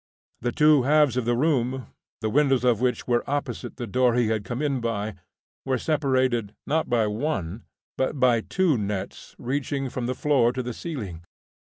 The two halves of the room, the windows of which were opposite the door he had come in by, were separated, not by one, but by two nets reaching from the floor to the ceiling.